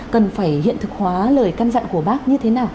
cần phải hiện thực hóa lời căn dặn của bác như thế nào